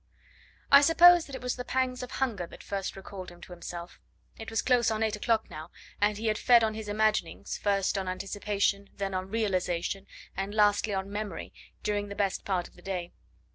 I suppose that it was the pangs of hunger that first recalled him to himself. It was close on eight o'clock now, and he had fed on his imaginings first on anticipation, then on realisation, and lastly on memory during the best part of the day.